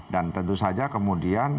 dan tentu saja kemudian